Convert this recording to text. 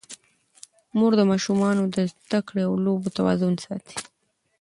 مور د ماشومانو د زده کړې او لوبو توازن ساتي.